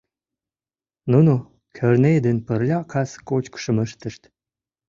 Нуно Кӧрнеи ден пырля кас кочкышым ыштышт.